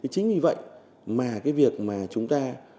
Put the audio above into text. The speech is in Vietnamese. chính vì vậy mà cái việc mà chúng ta